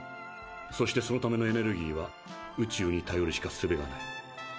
そしてそのためのエネルギーは宇宙にたよるしかすべがない。